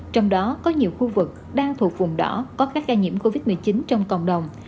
trong đó có nhiều khu vực đang thuộc vùng đỏ có các ca nhiễm covid một mươi chín trong cộng đồng